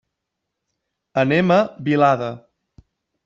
Anem a Vilada.